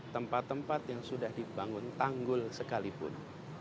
tempat tempat yang sudah dibangun tanggul sekalipun